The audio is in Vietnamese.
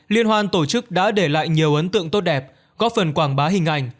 liên hoan tổ chức đã để lại nhiều ấn tượng tốt đẹp góp phần quảng bá hình ảnh